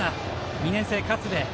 ２年生、勝部。